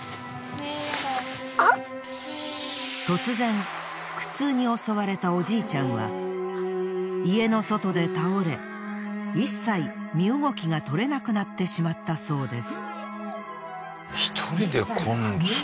突然腹痛に襲われたおじいちゃんは家の外で倒れ一切身動きが取れなくなってしまったそうです。